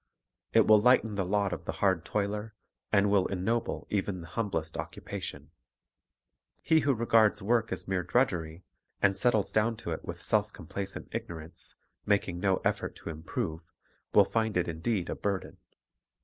It will lighten the lot of the hard toiler, and will ennoble even the humblest occupation. He who regards work as mere drudgeiy, and settles down to it with self complacent ignorance, making no effort to improve, will find it indeed a burden.